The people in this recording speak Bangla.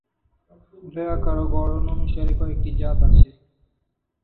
ফুলের আকার ও গড়ন অনুসারে কয়েকটি জাত আছে।